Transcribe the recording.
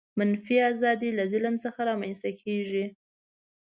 منفي آزادي له ظلم څخه رامنځته کیږي.